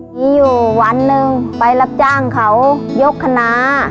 มีอยู่วันหนึ่งไปรับจ้างเขายกคณะ